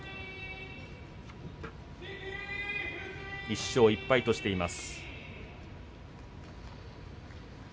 １勝１敗としています。